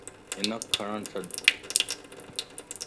ھنک ڪڏڻ ڇڏ